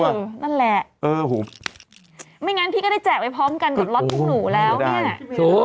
พี่จะแจกตัวนั่นแหละไม่งั้นพี่ก็ได้แจกไว้พร้อมกันกับรถมุกหนูแล้วใช่ไหม